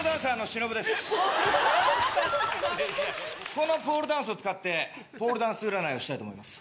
このポールダンスを使ってポールダンス占いをしたいと思います